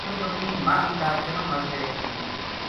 اِنھ نے اپنی بکری ماہلی تا چرن واسطے شیک چھُڑی